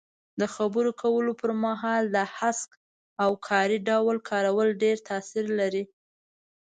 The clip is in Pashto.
د خبرو کولو پر مهال د هسک او کاري ډول کارول ډېر تاثیر لري.